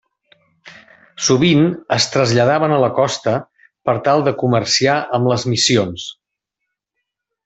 Sovint es traslladaven a la costa per tal de comerciar amb les missions.